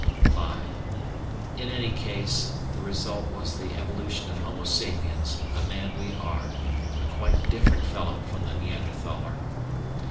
(5) In any case, the result was the evolution of Homo sapiens, the man we are a quite different fellow from the Neanderthaler.